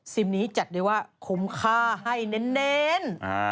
นี้จัดได้ว่าคุ้มค่าให้เน้น